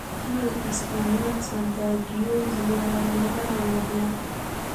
هغه د اسپانیا د سانتیاګو زیارلاره ووهله.